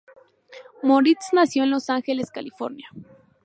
Moritz nació en Los Ángeles, California.